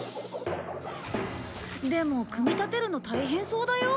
でも組み立てるの大変そうだよ？